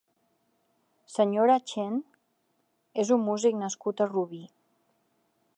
senyora Chen és un músic nascut a Rubí.